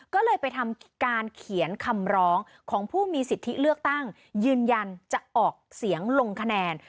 ก็เลยไปทำการเขียนคำร้องของผู้มีสิทธิเลือกตั้งยืนยันจะออกเสียงลงคะแนน